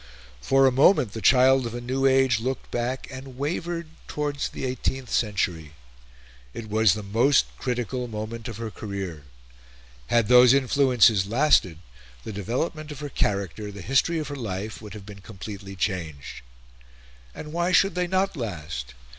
For a moment the child of a new age looked back, and wavered towards the eighteenth century. It was the most critical moment of her career. Had those influences lasted, the development of her character, the history of her life, would have been completely changed. And why should they not last?